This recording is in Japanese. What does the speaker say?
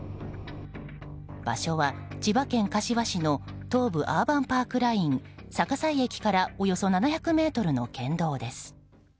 場所は、千葉県柏市の東武アーバンパークライン逆井駅からおよそ７００ｍの県道です。